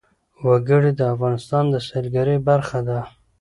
وګړي د افغانستان د سیلګرۍ برخه ده.